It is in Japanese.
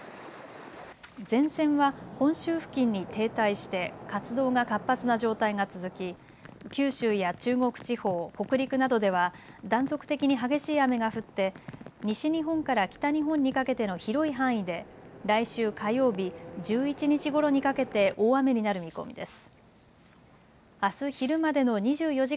前線は本州付近に停滞して活動が活発な状態が続き九州や中国地方、北陸などでは断続的に激しい雨が降って西日本から北日本にかけての広い範囲で来週火曜日１１日ごろにかけて大雨になる見込みです。